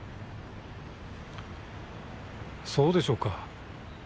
そうでしょうか？